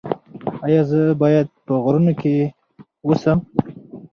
ایا زه باید په غرونو کې اوسم؟